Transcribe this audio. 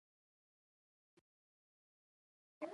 د شا له خوا راپسې محمد په خندا غږ کړل.